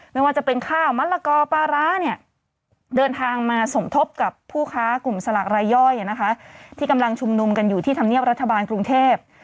ไม่ว่าจะเป็นข้าวมะละกอปลาร้าเนี่ยเดินทางมาสมทบกับผู้ค้ากลุ่มสลากรายย่อยที่กำลังชุมนุมกันอยู่ที่ธรรมเนียบรัฐบาลกรุงเทพ